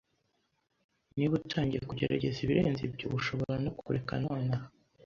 Niba utagiye kugerageza ibirenze ibyo, ushobora no kureka nonaha.